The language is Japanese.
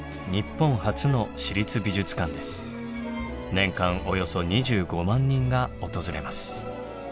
年間およそ２５万人が訪れます。